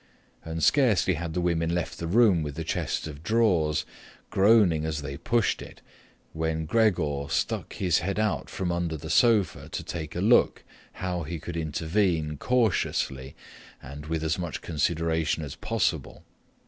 And scarcely had the women left the room with the chest of drawers, groaning as they pushed it, when Gregor stuck his head out from under the sofa to take a look how he could intervene cautiously and with as much consideration as possible.